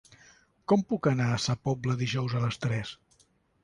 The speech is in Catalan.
Com puc anar a Sa Pobla dijous a les tres?